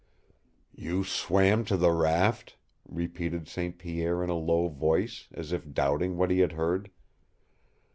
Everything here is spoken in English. "You swam to the raft," repeated St. Pierre in a low voice, as if doubting what he had heard.